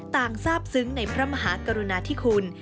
ทราบซึ้งในพระมหากรุณาธิคุณ